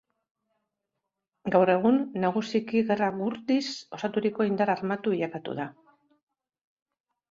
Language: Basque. Gaur egun, nagusiki gerra-gurdiz osaturiko indar armatu bilakatu da.